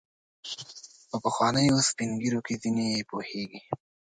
په پخوانیو سپین ږیرو کې ځینې یې پوهیږي.